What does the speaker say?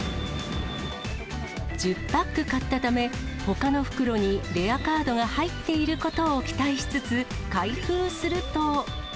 １０パック買ったため、ほかの袋にレアカードが入っていることを期待しつつ、開封すると。